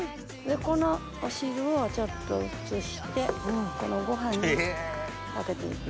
このお汁をちょっと移してこのご飯にかけて行く。